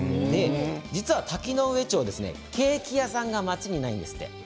実は滝上町ケーキ屋さんが町にないんですって。